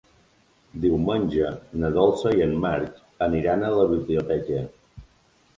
Diumenge na Dolça i en Marc aniran a la biblioteca.